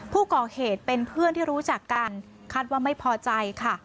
ผู้ก่อเหตุเป็นเพื่อนที่รู้จักกันคาดว่าไม่พอใจค่ะ